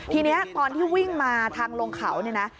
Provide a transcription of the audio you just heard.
ทีนี้ตอนที่วิ่งมาทางลงเขาเนี่ยนะ